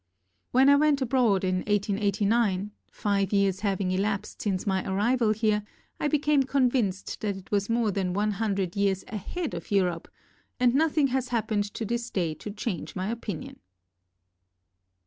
When I went abroad in 1889 — five years having elapsed since my arrival here — I be came convinced that it was more than one hundred years AHEAD of Europe and nothing has happened to this day to change my opinion.